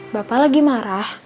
bapak lagi marah